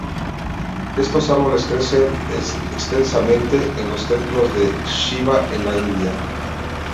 Estos árboles crecen extensamente en los templos de Shivá en la India.